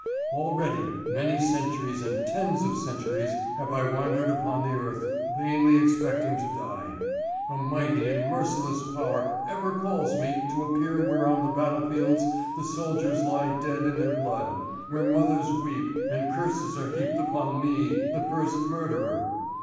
Already many centuries and tens of centuries have I wandered upon the earth, vainly expecting to die. A mighty and merciless power ever calls me to appear where on the battlefields the soldiers lie dead in their blood, where mothers weep, and curses are heaped upon me, the first murderer.